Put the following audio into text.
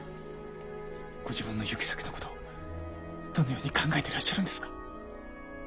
ご自分の行く先の事どのように考えていらっしゃるんですか？